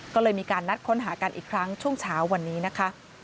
ก็เลยมีการนัดค้นหากันอีกครั้งช่วงเช้าวันนี้นะคะ